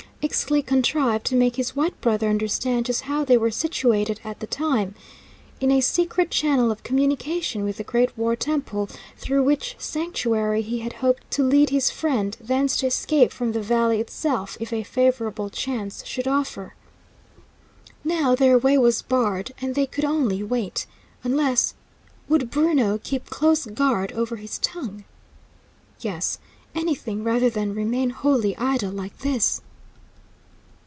Ixtli contrived to make his white brother understand just how they were situated at the time: in a secret channel of communication with the great war temple, through which sanctuary he had hoped to lead his friend, thence to escape from the valley itself, if a favourable chance should offer. Now their way was barred, and they could only wait. Unless would Bruno keep close guard over his tongue? Yes. Anything, rather than remain wholly idle, like this.